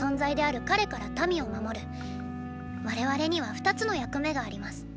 我々には二つの役目があります。